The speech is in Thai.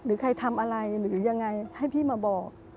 หรือใครทำอะไรหรือยังไงให้พี่มาบอก